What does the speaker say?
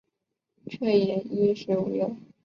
却也衣食无虑